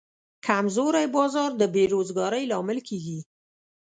کمزوری بازار د بیروزګارۍ لامل کېږي.